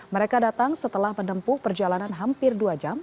mereka datang setelah menempuh perjalanan hampir dua jam